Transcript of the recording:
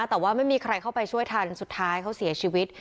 แต่ว่าไม่มีใครเข้าไปช่วยทันสุดท้ายเขาเสียชีวิต